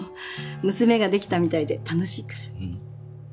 娘ができたみたいで楽しいから。